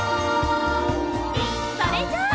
それじゃあ。